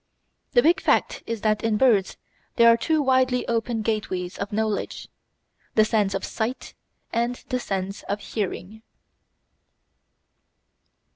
The big fact is that in birds there are two widely open gateways of knowledge, the sense of sight and the sense of hearing.